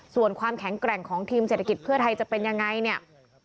ส่วนความแข็งแกร่งของทีมเศรษฐกิจเพื่อไทยจะเป็นยังไงเนี่ย